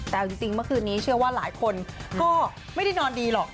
แต่จริงเมื่อคืนนี้เชื่อว่าหลายคนก็ไม่ได้นอนดีหรอก